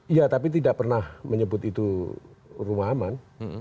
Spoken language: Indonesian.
iya tapi tidak pernah menyebut itu rumah aman